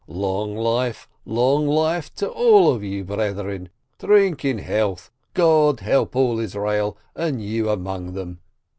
"Long life, long life to all of you, brethren ! Drink in health, God help All Israel, and you among them!"